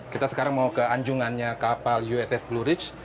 kita sekarang mau ke anjungannya kapal uss blue rich